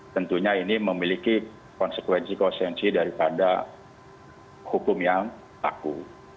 tentunya ini memiliki konsekuensi konsekuensi daripada hukum yang takut